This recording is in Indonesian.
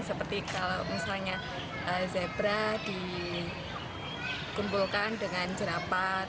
seperti kalau misalnya zebra dikumpulkan dengan jerap